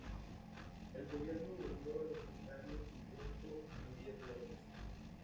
El gobierno volvió a los unitarios, y pronto a Javier López.